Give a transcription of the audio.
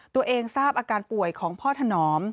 ตัวเองทราบอาการป่วยของพ่อถนอม